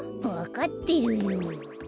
わかってるよ。